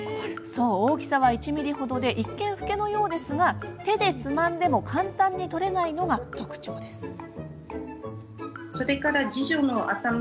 大きさは１ｍｍほどで一見、フケのようですが手でつまんでも簡単に取れないのが特徴です。